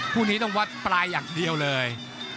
คู่นี้ต้องวัดปลายอย่างเดียวเลย